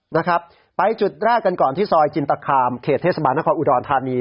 นะครับไปจุดแรกกันก่อนที่ซอยจินตคามเขตเทศบาลนครอุดรธานี